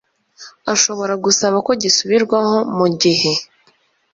ashobora gusaba ko gisubirwaho mu gihe